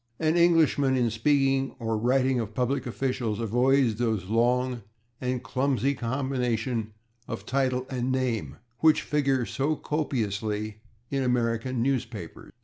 An Englishman, in speaking or writing of public officials, avoids those long and clumsy combinations of title and name [Pg122] which figure so copiously in American newspapers.